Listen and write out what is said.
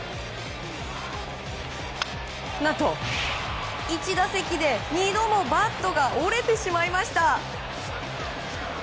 何と、１打席で２度もバットが折れてしまいました。